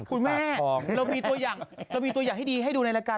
คุณแม่เรามีตัวอย่างที่ดีให้ดูในรการ